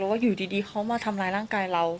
ว่าอยู่ดีเขามาทำร้ายร่างกายเรา